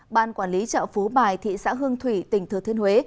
ban quản lý chợ phú bài thị xã hương thủy tỉnh thừa thiên huế